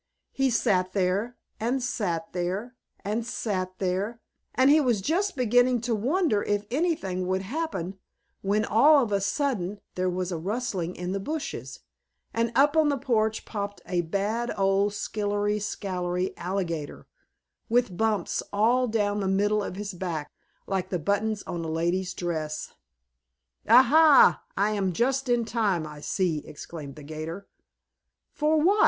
He sat there and sat there and sat there and he was just beginning to wonder if anything would happen, when, all of a sudden, there was a rustling in the bushes, and up on the porch popped a bad old skillery scalery alligator, with bumps all down the middle of his back like the buttons on a lady's dress. "Ah, ha! I am just in time, I see!" exclaimed the 'gator. "For what?"